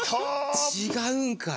違うんかい。